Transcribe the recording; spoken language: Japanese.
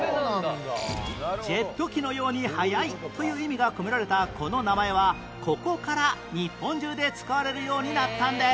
「ジェット機のように速い」という意味が込められたこの名前はここから日本中で使われるようになったんです